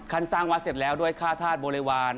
สร้างวัดเสร็จแล้วด้วยค่าธาตุบริวาร